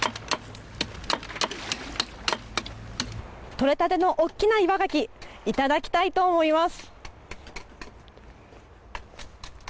とれたてのおっきな岩がきいただきたいと思います。